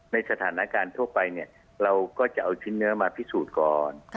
ในสถานการณ์ทั่วไปเนี่ยเราก็จะเอาชิ้นเนื้อมาพิสูจน์ก่อน